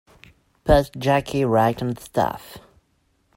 Put Jackie right on the staff.